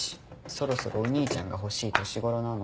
そろそろお兄ちゃんが欲しい年頃なの。